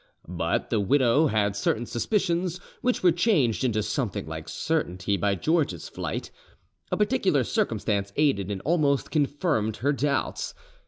But the widow had certain suspicions which were changed into something like certainty by George's flight. A particular circumstance aided and almost confirmed her doubts.